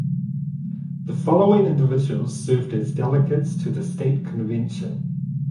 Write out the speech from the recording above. The following individuals served as delegates to the state convention.